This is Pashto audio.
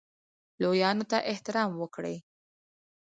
لویانو ته احترام وکړئ